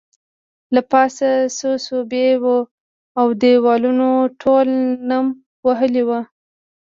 له پاسه څڅوبی وو او دیوالونه ټول نم وهلي وو